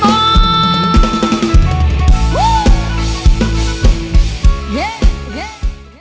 ก็ช่วยกับเรา